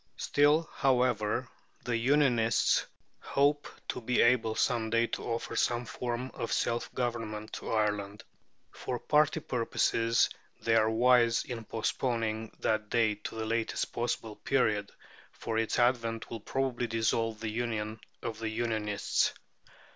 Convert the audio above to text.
Still, however, the "Unionists" hope to be able some day to offer some form of self government to Ireland. For party purposes they are wise in postponing that day to the latest possible period, for its advent will probably dissolve the union of the "Unionists."